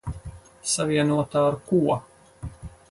Savienota ar ko?